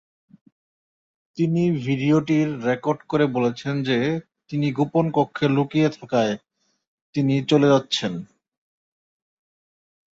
তিনি ভিডিওটি রেকর্ড করে বলেছেন যে তিনি গোপন কক্ষে লুকিয়ে থাকায় তিনি চলে যাচ্ছেন।